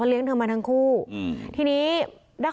ประตู๓ครับ